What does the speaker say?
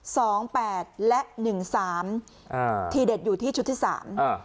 แปดและหนึ่งสามอ่าทีเด็ดอยู่ที่ชุดที่สามอ่า